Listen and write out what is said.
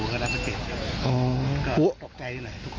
ทุกคนก็ตกใจตกใจเลย